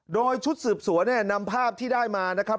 โดยชุดสืบสวนเนี่ยนำภาพที่ได้มานะครับ